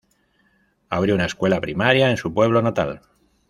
Abrió una escuela primaria en su pueblo natal.